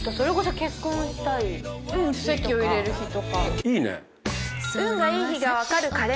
いいね。